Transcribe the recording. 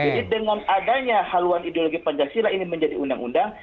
jadi dengan adanya haluan ideologi pancasila ini menjadi undang undang